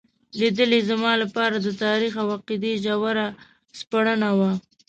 لیدل یې زما لپاره د تاریخ او عقیدې ژوره سپړنه وه.